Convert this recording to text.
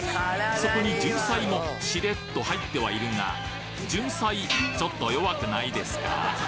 そこにじゅんさいもしれっと入ってはいるがじゅんさいちょっと弱くないですか？